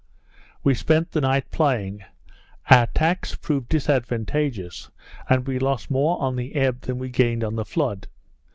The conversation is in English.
We spent the night plying; our tacks proved disadvantageous; and we lost more on the ebb than we gained on the flood.